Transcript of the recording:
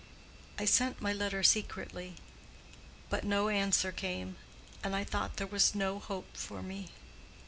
I sent my letter secretly; but no answer came, and I thought there was no hope for me.